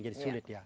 jadi sulit ya